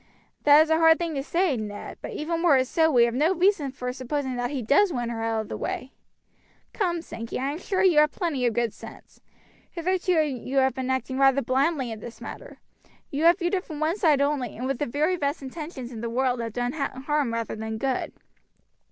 "That is a hard thing to say, Ned; but even were it so, we have no reason for supposing that he does want her out of the way. Come, Sankey, I am sure you have plenty of good sense. Hitherto you have been acting rather blindly in this matter. You have viewed it from one side only, and with the very best intentions in the world have done harm rather than good.